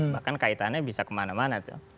bahkan kaitannya bisa kemana mana tuh